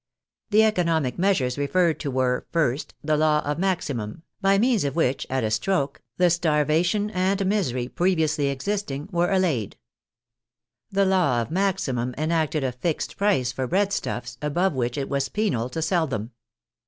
The economic measures referred to were, first, the Law of maximum, by means of which, at a stroke, the starvation and misery previously existing were al layed. The law of maximum enacted a fixed price for breadstuffs, above which it was penal to sell them.